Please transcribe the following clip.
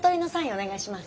お願いします。